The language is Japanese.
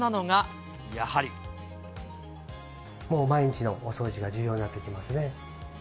もう、毎日のお掃除が重要になってきますね。